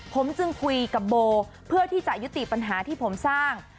ผมจึงคุยกับโบเพื่อที่จะยุติปัญหาที่ผมสร้าง